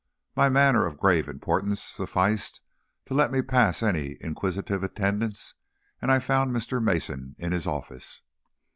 My manner of grave importance sufficed to let me pass any inquisitive attendants and I found Mr. Mason in his office.